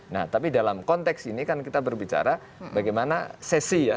nah tapi dalam konteks ini kan kita berbicara bagaimana sesi ya